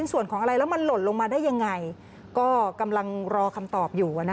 ยังไงก็กำลังรอคำตอบอยู่